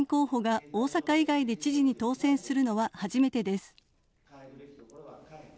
維新の後任候補が大阪以外で知事に当選するのは初めてです。